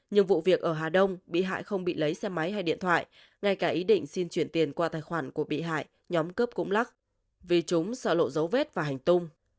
nhưng vụ việc ở hà đông bị hại không bị lấy xe máy hay điện thoại ngay cả ý định xin chuyển tiền qua tài khoản của bị hại nhóm cướp cũng lắc vì chúng sợ lộ dấu vết và hành tung